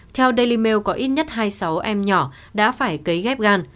theo daily mail có ít nhất hai mươi sáu em nhỏ đã phải cấy ghép gan